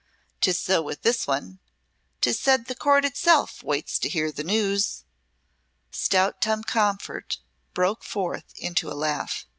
'Tis so with this one. 'Tis said the Court itself waits to hear the news." Stout Tom Comfort broke forth into a laugh.